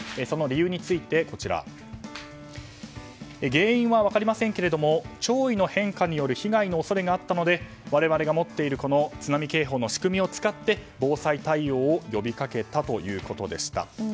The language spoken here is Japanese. その理由について原因は分かりませんけども潮位の変化による被害の恐れがあったので我々が持っている津波警報の仕組みを使って防災対応を呼びかけたということでした。